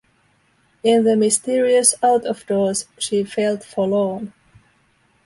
In the mysterious out-of-doors she felt forlorn.